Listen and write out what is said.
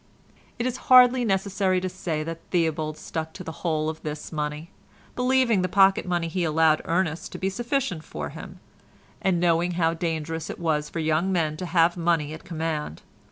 It is hardly necessary to say that Theobald stuck to the whole of this money, believing the pocket money he allowed Ernest to be sufficient for him, and knowing how dangerous it was for young men to have money at command.